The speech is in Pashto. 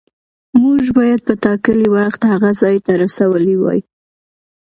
موږ باید په ټاکلي وخت هغه ځای ته رسولي وای.